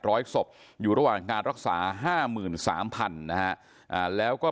ร้อยศพอยู่ระหว่างการรักษาห้าหมื่นสามพันนะฮะแล้วก็